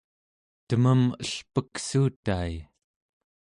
temem elpeksuutai